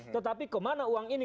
tetapi kemana uang ini